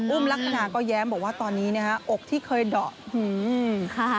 ลักษณะก็แย้มบอกว่าตอนนี้นะฮะอกที่เคยเดาะ